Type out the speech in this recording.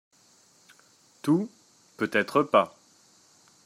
Tout, peut-être pas.